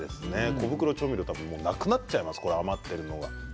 小袋調味料なくなっちゃいますね余っているのが。